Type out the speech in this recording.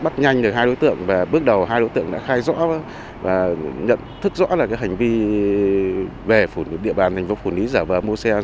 bắt nhanh được hai đối tượng và bước đầu hai đối tượng đã khai rõ và nhận thức rõ là cái hành vi về địa bàn hành vụ phù ný giả vờ mua xe ăn